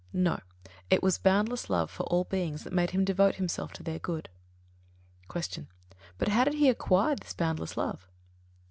No; it was boundless love for all beings that made him devote himself to their good. 29. Q. _But how did he acquire this boundless love?